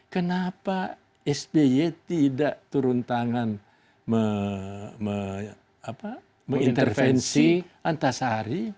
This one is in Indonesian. kenapa sby tidak turun tangan mengintervensi antasari